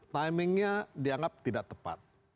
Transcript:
timingnya dianggap tidak tepat